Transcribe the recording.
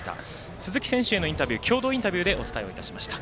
鈴木選手へのインタビュー共同インタビューでお伝えをしました。